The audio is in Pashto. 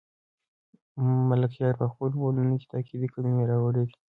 ملکیار په خپلو بندونو کې تاکېدي کلمې راوړي دي.